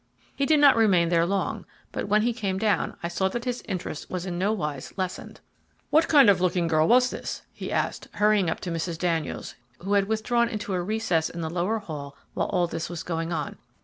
He did not remain there long, but when he came down I saw that his interest was in no wise lessened. "What kind of a looking girl was this?" he asked, hurrying up to Mrs. Daniels who had withdrawn into a recess in the lower hall while all this was going on.